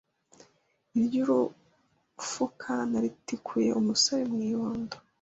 Iry, urnufuka naritikuye umusore mu ibondo